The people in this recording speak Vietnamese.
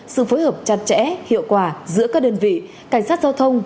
sự phối hợp chặt chẽ hiệu quả giữa các đơn vị cảnh sát giao thông